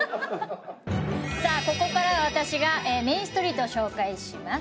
さあここからは私がメインストリートを紹介します。